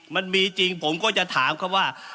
มันมีจริงผมก็จะถามเขาว่า